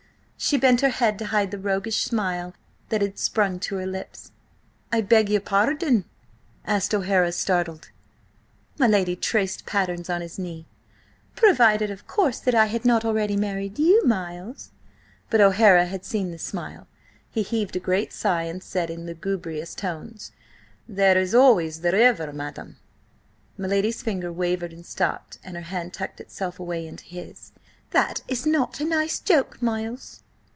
She bent her head to hide the roguish smile that had sprung to her lips. "I beg your pardon?" asked O'Hara, startled. My lady traced patterns on his knee. "Provided, of course, that I had not already married you, Miles." But O'Hara had seen the smile. He heaved a great sigh, and said in lugubrious tones: "There is always the river, madam." My lady's finger wavered and stopped, and her hand tucked itself away into his. "That is not a nice joke, Miles."